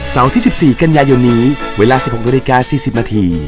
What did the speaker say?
เสาร์ที่๑๔กันยายนี้เวลา๑๖๔๐น